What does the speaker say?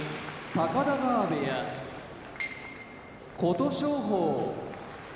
高田川部屋琴勝峰